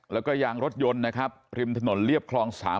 แล้วก็ยางรถยนต์นะครับริมถนนเรียบคลอง๓